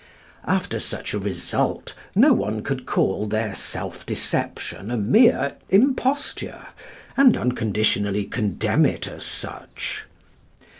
After such a result, no one could call their self deception a mere imposture, and unconditionally condemn it as such.